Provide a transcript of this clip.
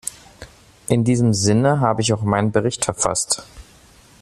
In diesem Sinne habe ich auch meinen Bericht verfasst.